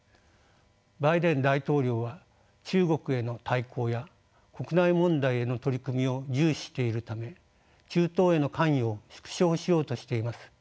バイデン大統領は中国への対抗や国内問題への取り組みを重視しているため中東への関与を縮小しようとしています。